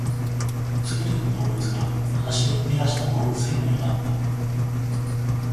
全ての動物が裸足で逃げ出した動物園のようだった